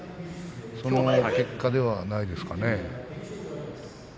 その結果ではないですかね。